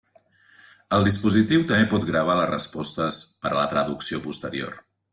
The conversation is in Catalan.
El dispositiu també pot gravar les respostes per a la traducció posterior.